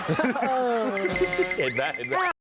เห็นไหม